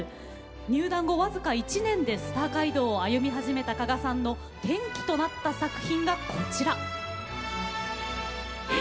入団後僅か１年でスター街道を歩み始めた鹿賀さんの転機となった作品がこちら。